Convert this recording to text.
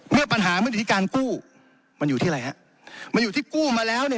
เมื่อปัญหามันอยู่ที่การกู้มันอยู่ที่อะไรฮะมันอยู่ที่กู้มาแล้วเนี่ย